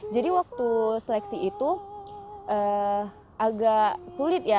jadi waktu seleksi itu agak sulit ya